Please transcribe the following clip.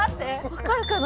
分かるかな？